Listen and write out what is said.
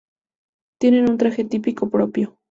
Tienen un traje típico propio.